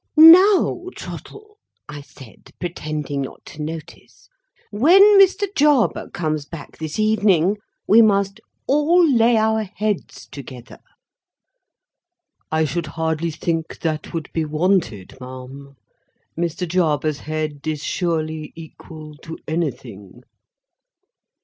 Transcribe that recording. "Now, Trottle," I said, pretending not to notice, "when Mr. Jarber comes back this evening, we must all lay our heads together." "I should hardly think that would be wanted, ma'am; Mr. Jarber's head is surely equal to anything."